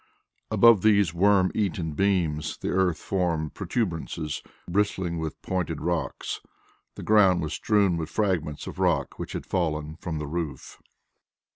Above these worm eaten beams, the earth formed protuberances bristling with pointed rocks. The ground was strewn with fragments of rock which had fallen from the roof.